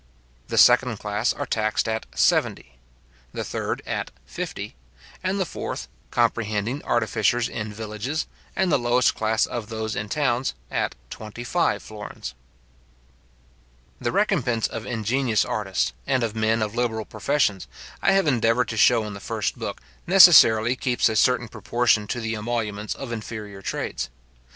The second class are taxed at seventy; the third at fifty; and the fourth, comprehending artificers in villages, and the lowest class of those in towns, at twenty five florins. {Memoires concernant les Droits, etc. tom. iii. p. 87.} The recompence of ingenious artists, and of men of liberal professions, I have endeavoured to show in the first book, necessarily keeps a certain proportion to the emoluments of inferior trades.